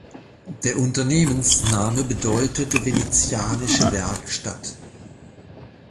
Der Unternehmensname bedeutet 'venezianische Werkstatt'.